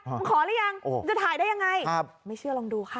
มึงขออนุญาตแล้วยังโอ้มึงจะถ่ายได้ยังไงครับไม่เชื่อลองดูค่ะ